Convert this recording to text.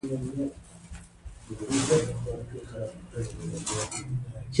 ساده سړی خدای ساتي .